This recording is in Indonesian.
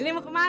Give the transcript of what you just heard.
ini mau kemana